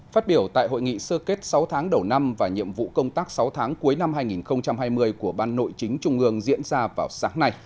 phát biểu tại hội nghị sơ kết sáu tháng đầu năm và nhiệm vụ công tác sáu tháng cuối năm hai nghìn hai mươi của ban nội chính trung ương diễn ra vào sáng nay